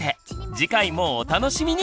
次回もお楽しみに！